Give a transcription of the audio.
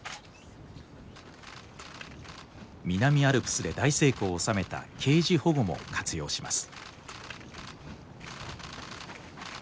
南アルプスで大成功をおさめたケージ保護も活用します。